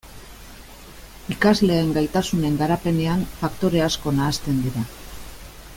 Ikasleen gaitasunen garapenean faktore asko nahasten dira.